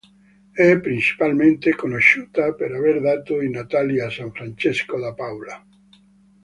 È principalmente conosciuta per aver dato i natali a san Francesco da Paola.